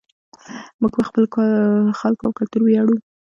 موږ په خپلو خلکو او کلتور ویاړو.